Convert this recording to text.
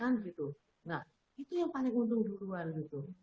nah itu yang paling untung duluan gitu